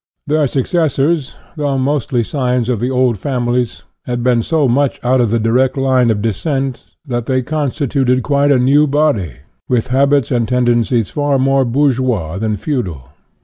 Their successors, though mostly scions of the old fam ilies, had been so much out of the direct line of descent that they constituted quite a new body, with habits and tendencies far more bourgeois than feudal.